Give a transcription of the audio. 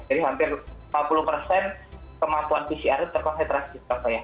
jadi hampir empat puluh kemampuan pcr itu terkonsentrasi di surabaya